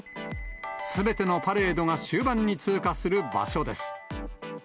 すべてのパレードが終盤に通過する場所です。